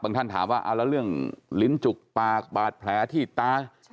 ท่านถามว่าเอาแล้วเรื่องลิ้นจุกปากบาดแผลที่ตา